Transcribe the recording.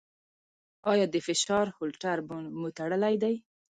ایا د فشار هولټر مو تړلی دی؟